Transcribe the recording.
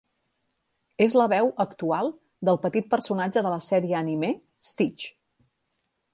És la veu actual del petit personatge de la sèrie anime Stitch!